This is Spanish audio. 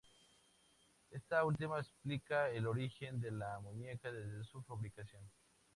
Esta última explica el origen de la muñeca desde su fabricación.